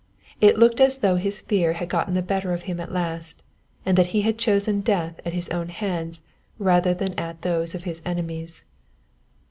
It looked as though his fear had got the better of him at last, and that he had chosen death at his own hands rather than at those of his enemies.